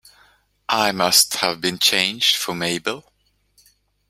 I must have been changed for Mabel!